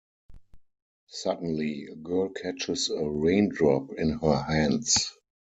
Suddenly, a girl catches a raindrop in her hands.